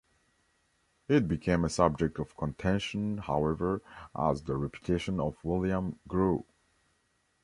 It became a subject of contention however as the reputation of William grew.